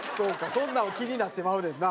そんなんも気になってまうねんな。